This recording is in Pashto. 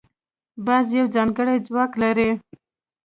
باز یو ځانګړی ځواک لري